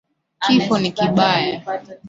Kifo ni kibaya